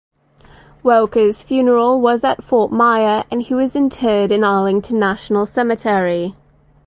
Welker's funeral was at Fort Myer and he was interred in Arlington National Cemetery.